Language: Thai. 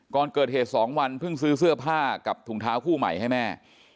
ก่อนเกิดเหตุ๒วันเพิ่งซื้อเสื้อผ้ากับถุงเท้าคู่ใหม่ให้แม่